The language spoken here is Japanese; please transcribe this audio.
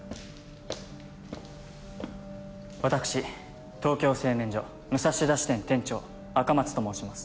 私トーキョー製麺所武蔵田支店店長赤松と申します。